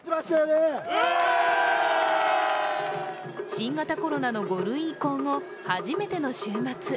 新型コロナの５類移行後初めての週末。